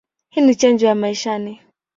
Hii ni chanjo ya maishani.